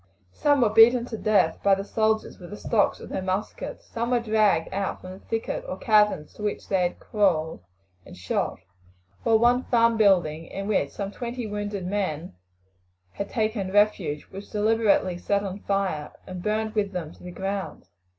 Some were beaten to death by the soldiers with the stocks of their muskets, some were dragged out from the thicket or caverns to which they had crawled and shot, while one farm building, in which some twenty wounded men had taken refuge, was deliberately set on fire and burned with them to the ground.